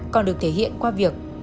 còn được thể hiện qua việc